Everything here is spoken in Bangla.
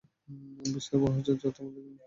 বিশ্বের বহু আশ্চর্য তোমার জন্য অপেক্ষা করছে।